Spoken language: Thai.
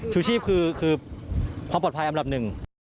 ชูชีพคือความปลอดภัยอันดับหนึ่ง